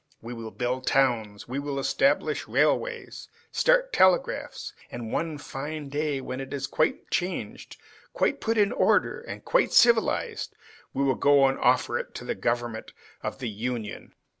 We will build towns, we will establish railways, start telegraphs, and one fine day, when it is quite changed, quite put in order and quite civilized, we will go and offer it to the government of the Union.